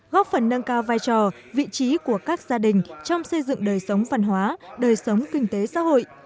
góp phần nâng cao vai trò vị trí của các gia đình trong xây dựng đời sống văn hóa đời sống kinh tế xã hội